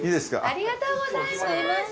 ありがとうございます！